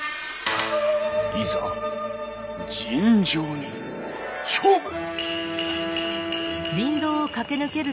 いざ尋常に勝負！